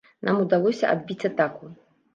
Нам удалося адбіць атаку.